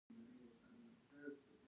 د ساینس اکاډمي څیړنې کوي